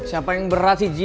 siapa yang berat sih ji